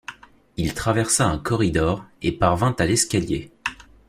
Il traversa un corridor et parvint à l’escalier.